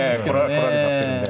来られちゃってるんで。